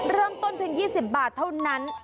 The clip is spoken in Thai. เริ่มต้นเพียง๒๐บาทเท่านั้น